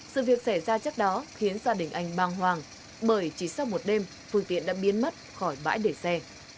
sự việc xảy ra chắc đó khiến gia đình anh băng hoàng bởi chỉ sau một đêm phương tiện đã biến mất khỏi bãi để xe